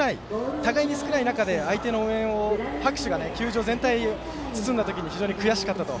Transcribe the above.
互いに少ない中で相手の応援を、拍手が球場全体を包んだ時に悔しかったと。